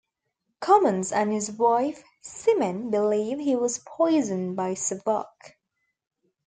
Commons and his wife, Simin, believe he was poisoned by Savak.